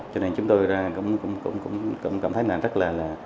cho nên chúng tôi cũng cảm thấy là rất là là